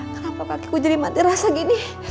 kenapa kaki gue jadi mati rasa gini